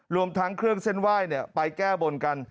รวมทั้งเครื่องเส้นไหว้ไปแก้บนกัน